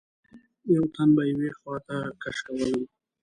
یوه تن به یوې خواته کش کولم.